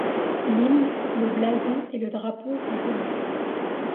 L’hymne, le blason et le drapeau sont communs.